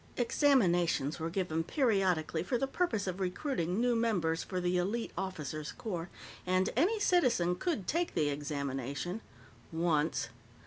Examinations were given periodically for the purpose of recruiting new members for the elite officers' corps, and any citizen could take the examination once.